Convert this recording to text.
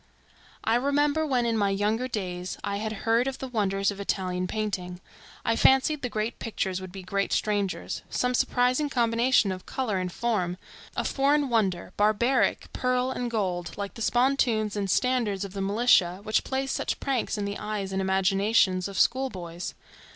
I remember when in my younger days I had heard of the wonders of Italian painting, I fancied the great pictures would be great strangers; some surprising combination of color and form; a foreign wonder, barbaric pearl and gold, like the spontoons and standards of the militia, which play such pranks in the eyes and imaginations of school boys.